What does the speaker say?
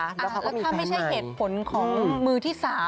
แล้วเขาก็มีแฟนใหม่แล้วถ้าไม่ใช่เหตุผลของมือที่๓